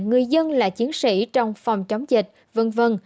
người dân là chiến sĩ trong phòng chống dịch v v